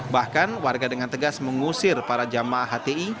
bahkan warga dengan tegas mengusir para jamaah hti